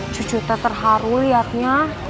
cucu tak terharu liatnya